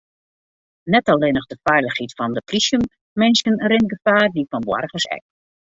Net allinnich de feilichheid fan de plysjeminsken rint gefaar, dy fan boargers ek.